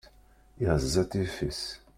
Iɣeẓẓa-t yiffis.